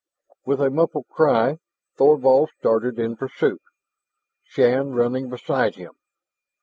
With a muffled cry, Thorvald started in pursuit, Shann running beside him.